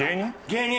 芸人。